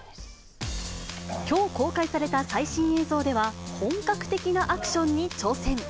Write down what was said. きょう公開された最新映像では、本格的なアクションに挑戦。